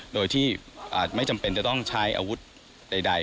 โดยที่อาจไม่จำเป็นจะต้องใช้อาวุธใด